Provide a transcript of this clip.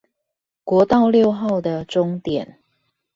國道六號的終點